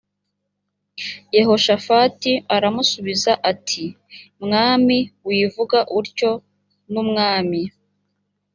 yehoshafati aramusubiza ati mwami wivuga utyo numwami